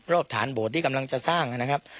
ฐานโบสถที่กำลังจะสร้างนะครับ